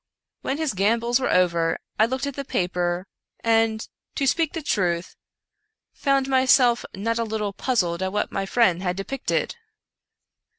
When his gam bols were over, I looked at the paper, and, to speak the 127 American Mystery Stories truth, found myself not a little puzzled at what my friend had depicted.